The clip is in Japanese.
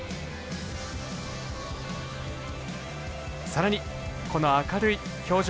さらにこの明るい表情。